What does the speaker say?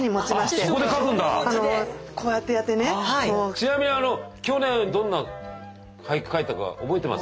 ちなみに去年どんな俳句書いたか覚えてます？